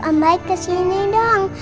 om baik kesini dong